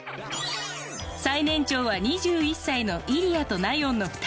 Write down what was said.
最年長は２１歳のイリヤとナヨンの２人。